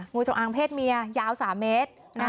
จงอางเพศเมียยาว๓เมตร